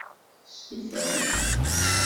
Testufam?